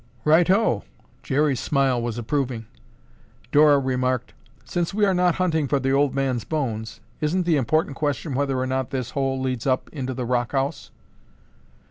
"Righto!" Jerry's smile was approving. Dora remarked, "Since we are not hunting for the old man's bones, isn't the important question whether or not this hole leads up into the rock house?"